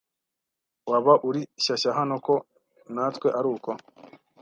Waba uri shyashya hano ko natwe aruko